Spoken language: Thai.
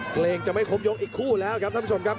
เกรงที่จะไม่คมยงอีกครูแล้วครับท่านผู้ชมครับ